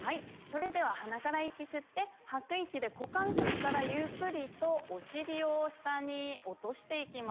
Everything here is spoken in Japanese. それでは鼻から息吸って吐く息で股関節からゆっくりとお尻を下に落としていきます。